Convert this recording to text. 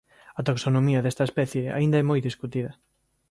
A taxonomía desta especie aínda é moi discutida.